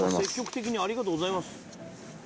積極的にありがとうございます。